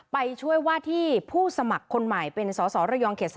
ไปช่วยว่าที่ผู้สมัครคนใหม่เป็นสสระยองเขต๓